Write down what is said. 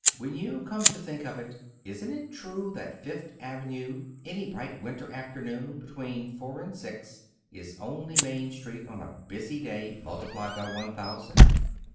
When you come to think of it, isn't it true that Fifth Avenue, any bright winter afternoon between four and six, is only Main Street on a busy day multiplied by one thousand?"